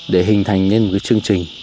để hình thành lên một chương trình